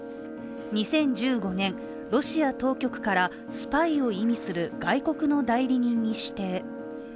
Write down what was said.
２０１５年、ロシア当局からスパイを意味する外国の代理人に指定。